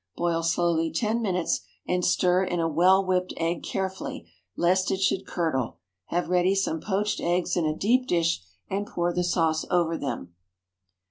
Boil slowly ten minutes, and stir in a well whipped egg carefully, lest it should curdle. Have ready some poached eggs in a deep dish, and pour the sauce over them.